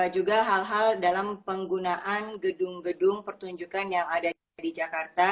juga hal hal dalam penggunaan gedung gedung pertunjukan yang ada di jakarta